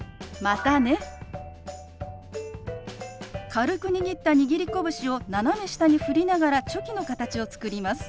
軽く握った握り拳を斜め下に振りながらチョキの形を作ります。